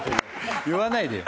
言わないでよ。